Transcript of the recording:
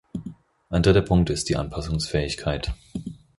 Ein dritter Punkt ist die Anpassungsfähigkeit.